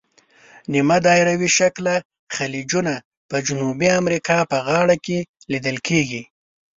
نیمه دایروي شکله خلیجونه په جنوبي امریکا په غاړو کې لیدل کیږي.